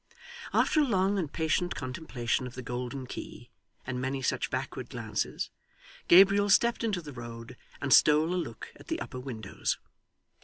After a long and patient contemplation of the golden key, and many such backward glances, Gabriel stepped into the road, and stole a look at the upper windows.